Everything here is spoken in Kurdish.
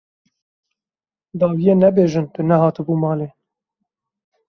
Dawiyê nebêjin tu nehatibû malê.